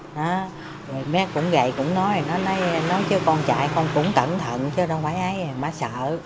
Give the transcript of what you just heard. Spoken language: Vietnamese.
mấy em cũng gầy cũng nói nói chứ con chạy con cũng cẩn thận chứ đâu phải ấy má sợ